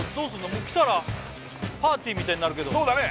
もう来たらパーティーみたいになるけどそうだね